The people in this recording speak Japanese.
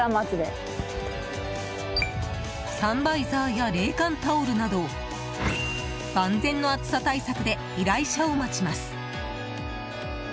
サンバイザーや冷感タオルなど万全の暑さ対策で依頼者を待ちます。